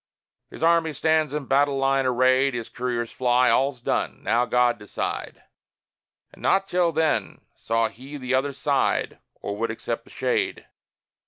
His army stands in battle line arrayed: His couriers fly: all's done: now God decide! And not till then saw he the Other Side Or would accept the shade.